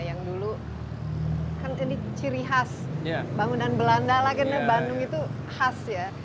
yang dulu kan ini ciri khas bangunan belanda lah karena bandung itu khas ya